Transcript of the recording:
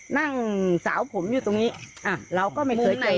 นั่งสาวผมอยู่ตรงนี้เราก็ไม่เคยเจอ